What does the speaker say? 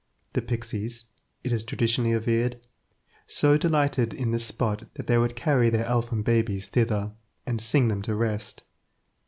The pixies, it is traditionally averred, so delighted in this spot that they would carry their elfin babes thither, and sing them to rest.